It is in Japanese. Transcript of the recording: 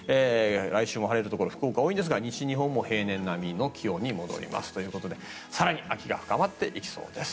来週も晴れるところ福岡、多いんですが西日本も平年並みの気温に戻りますということで更に秋が深まっていきそうです。